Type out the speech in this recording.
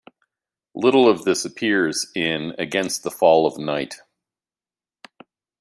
Little of this appears in "Against the Fall of Night".